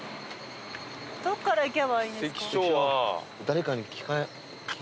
どっから行けばいいんですか？